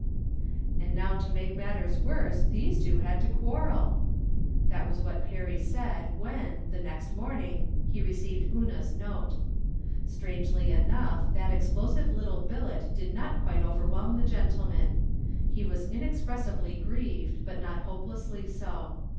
" And now to make matters worse these two had to quarrel !" That was what Perry said when, the next morning, he received Una's note. Strangely enough that explosive little billet did not quite overwhelm the gentleman. He was inexpressibly grieved, but not hopelessly so.